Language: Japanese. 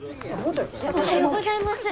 おはようございます。